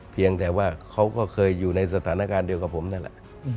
เพียงแต่ว่าเขาก็เคยอยู่ในสถานการณ์เดียวกับผมนั่นแหละ